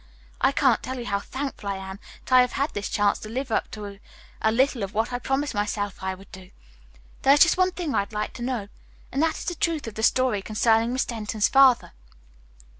I can't tell you how thankful I am that I have had this chance to live up to a little of what I promised myself I would do. There is just one thing I'd like to know, and that is the truth of the story concerning Miss Denton's father."